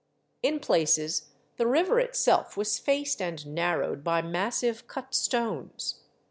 In places the river itself was faced and narrowed by massive cut stones.